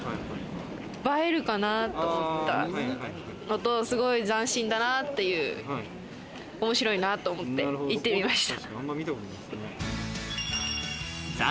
映えるかなぁって思ったのと、すごい斬新だなって、面白いなと思って行ってみました。